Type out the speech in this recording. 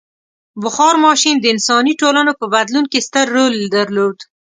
• بخار ماشین د انساني ټولنو په بدلون کې ستر رول درلود.